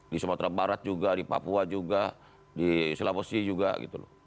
di sumatera barat juga di papua juga di sulawesi juga gitu loh